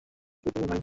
কে ভাই তুমি?